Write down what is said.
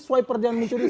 swiper jangan mencuri